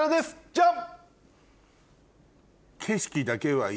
ジャン！